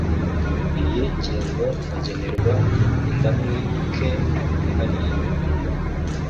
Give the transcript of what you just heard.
iyi ngingo Bagenerwa indamunite yihariye